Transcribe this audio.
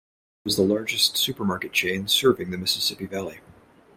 It was the largest supermarket chain serving the Mississippi Valley.